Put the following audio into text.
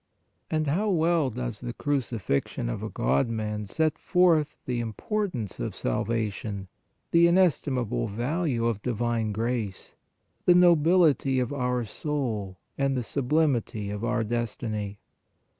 And how well does the crucifixion of a God Man set forth the importance of salvation, the inesti mable value of divine grace, the nobility of our soul and the sublimity of our destiny!